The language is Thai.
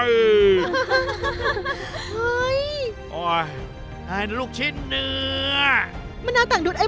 เฮ่ยโอ้ยไปรุ่งชิ้นตาเหนือ